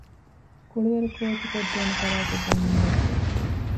ކުޅިވަރު ކޯޗުކޮށްދޭނެ ފަރާތެއް ބޭނުންވެއްޖެ